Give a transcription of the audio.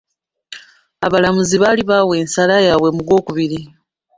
Abalamuzi baali bawa ensala yaabwe mu Gwokubiri.